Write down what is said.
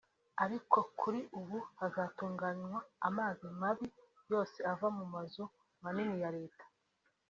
"Ariko kuri ubu hazatunganywa amazi mabi yose ava mu mazu manini ya Leta